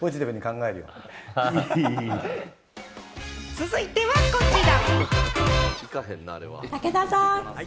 続いてはこちら。